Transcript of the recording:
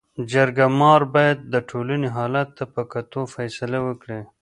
جرګه مار باید د ټولني حالت ته په کتو فيصله وکړي.